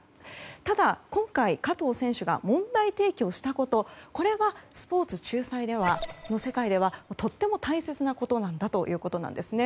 ただ今回、加藤選手が問題提起をしたことはスポーツ仲裁の世界ではとても大切なことなんだということなんですね。